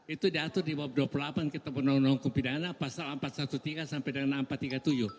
itu diatur di bawah dua puluh delapan kitab undang undang hukum pidana pasal empat ratus tiga belas sampai dengan enam empat ratus tiga puluh tujuh